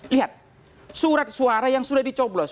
lihat surat suara yang sudah dicoblos